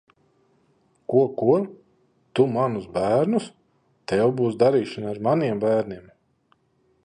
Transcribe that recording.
Ko, ko? Tu manus bērnus? Tev būs darīšana ar maniem bērniem!